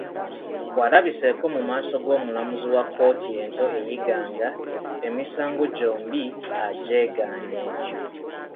Bw'alabiseeko mu maaso g'omulamuzi wa kkooti ento e Iganga, emisango gyombi agyegaanye.